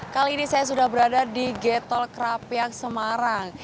kali ini saya sudah berada di getol krapiak semarang